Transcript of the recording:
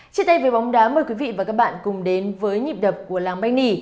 chia tay về bóng đá mời quý vị và các bạn cùng đến với nhịp đập của lãng banh nỉ